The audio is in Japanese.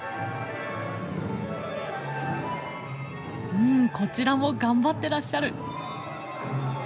うんこちらも頑張ってらっしゃる。